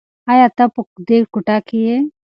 ایا ته په دې کوټه کې یې؟